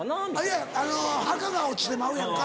いやあかが落ちてまうやんか。